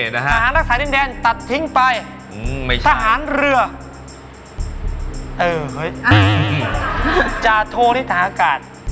สหารักษาและนิ่งแดนตัดทิ้งไปสหารเรือเออโอ้จ้าโทที่อากาศ